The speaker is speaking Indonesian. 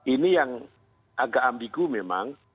ini yang agak ambigu memang